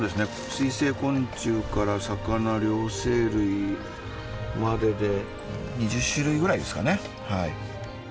水生昆虫から魚両生類までで２０種類ぐらいですかね？